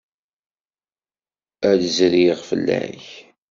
Ad d-zriɣ fell-ak.